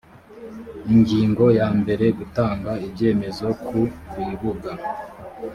ingingo ya mbere gutanga ibyemezo ku bibuga